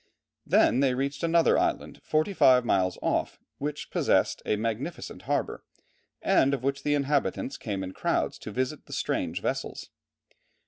Then they reached another island forty five miles off, which possessed a magnificent harbour and of which the inhabitants came in crowds to visit the strange vessels.